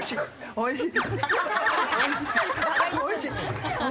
おいしい！